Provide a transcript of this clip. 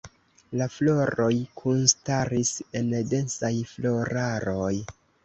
La floroj kunstaris en densaj floraroj.